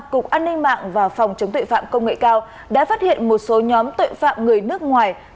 cục an ninh mạng và phòng chống tuệ phạm công nghệ cao đã phát hiện một số nhóm tội phạm người nước ngoài